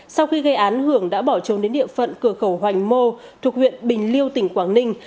sau khi gây án hưởng đã bỏ trốn đến địa phận cửa khẩu hoành mô thuộc huyện bình liêu tỉnh quảng ninh